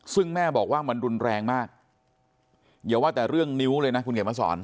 ซึ่งแม่บอกว่ามันรุนแรงมากอย่าว่าแต่เรื่องนิ้วเลยนะคุณเขียนมาสอน